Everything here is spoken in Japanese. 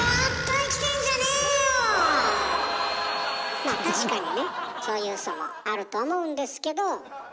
まあ確かにねそういうウソもあると思うんですけど。